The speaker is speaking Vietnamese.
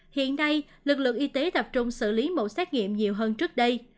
hiện nay lực lượng y tế tập trung xử lý mẫu xét nghiệm nhiều hơn trước đây